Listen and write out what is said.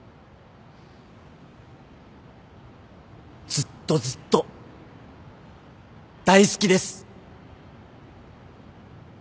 ずっとずっと大好きです！